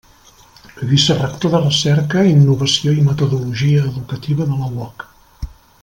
Vicerector de Recerca, Innovació i Metodologia Educativa de la UOC.